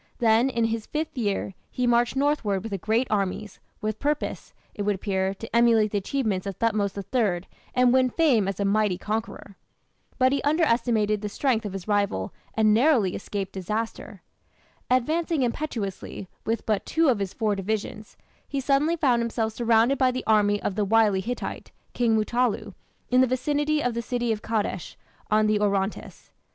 Then, in his fifth year, he marched northward with a great army, with purpose, it would appear, to emulate the achievements of Thothmes III and win fame as a mighty conqueror. But he underestimated the strength of his rival and narrowly escaped disaster. Advancing impetuously, with but two of his four divisions, he suddenly found himself surrounded by the army of the wily Hittite, King Mutallu, in the vicinity of the city of Kadesh, on the Orontes.